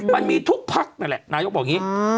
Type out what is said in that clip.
มันมีทุกพักนั่นแหละนายกบอกอย่างนี้